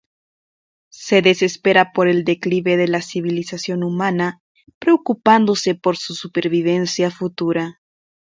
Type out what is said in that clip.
Se desespera por el declive de la civilización humana, preocupándose por su supervivencia futura.